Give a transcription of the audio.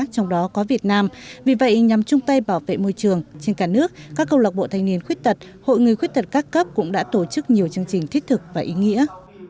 trong đó có việt nam vì vậy nhằm chung tay bảo vệ môi trường trên cả nước các câu lạc bộ thanh niên khuyết tật hội người khuyết tật các cấp cũng đã tổ chức nhiều chương trình thiết thực và ý nghĩa